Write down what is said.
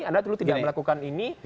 anda dulu tidak melakukan ini